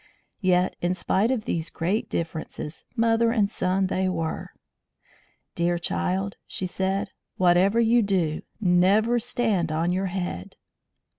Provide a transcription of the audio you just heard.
Yet, in spite of these great differences, mother and son they were. "Dear child," she said, "whatever you do, never stand on your head."